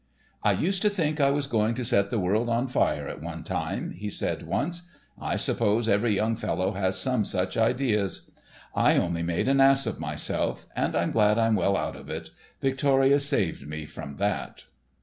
"I used to think I was going to set the world on fire at one time," he said once; "I suppose every young fellow has some such ideas. I only made an ass of myself, and I'm glad I'm well out of it. Victoria saved me from that."